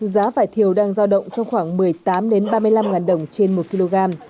giá vài thiếu đang giao động trong khoảng một mươi tám đến ba mươi năm